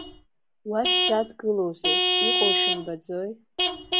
Уа шәзадгылоузеи, иҟоу шәымбаӡои?